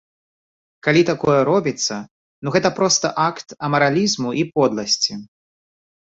Калі такое робіцца, ну гэта проста акт амаралізму і подласці.